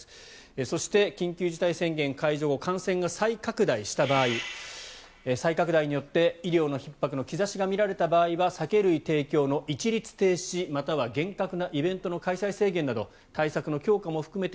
そして緊急事態宣言解除後感染が再拡大した場合再拡大によって医療のひっ迫の兆しが見られた場合は酒類提供の一律停止やまたは厳格なイベントの開催制限など対策の強化も含めて